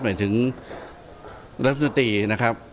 เหมือนถึงรัฐพนตรีนะครับ